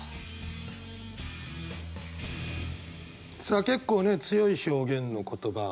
さあ結構ね強い表現の言葉。